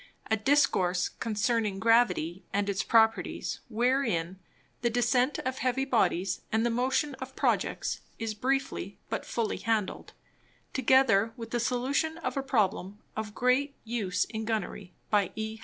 _A Discourse concerning Gravity, and its Properties, wherein the Descent of Heavy Bodies, and the Motion of Projects is briefly, but fully handled: Together with the Solution of a Problem of great Use in Gunnery. By _E.